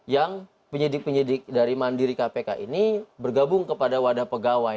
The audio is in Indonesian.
yang penyidik penyidik dari mandiri kpk ini bergabung kepada wadah pegawai